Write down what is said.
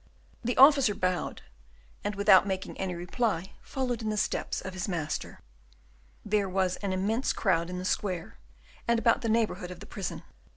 The officer bowed, and, without making any reply, followed in the steps of his master. There was an immense crowd in the square and about the neighbourhood of the prison.